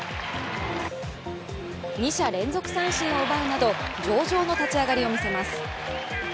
２者連続三振を奪うなど上々の立ち上がりを見せます。